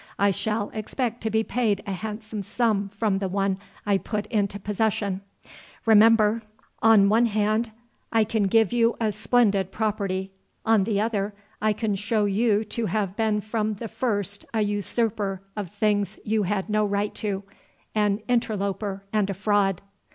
I shall expect to be paid a handsome sum from the one I put into possession. Remember, on one hand I can give you a splendid property, on the other I can show you to have been from the first a usurper of things you had no right to an interloper and a fraud."